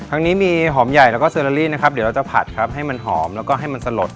นี้มีหอมใหญ่แล้วก็เซอร์ลาลี่นะครับเดี๋ยวเราจะผัดครับให้มันหอมแล้วก็ให้มันสลด